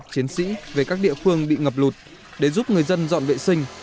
chiến sĩ về các địa phương bị ngập lụt để giúp người dân dọn vệ sinh